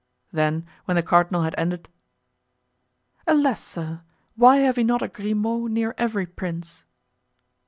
Then, when the cardinal had ended: "Alas, sir! why have we not a Grimaud near every prince?"